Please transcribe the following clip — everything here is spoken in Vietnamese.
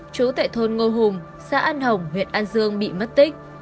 chú tại thôn ngô hùng xã an hồng huyện an dương bị mất tích